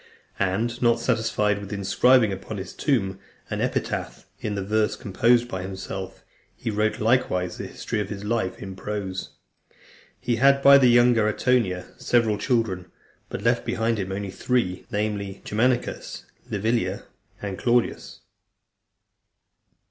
And not satisfied with inscribing upon his tomb an epitaph in verse composed by himself, he wrote likewise the history of his life in prose. He had by the younger Antonia several children, but left behind him only three, namely, Germanicus, Livilla, and Claudius.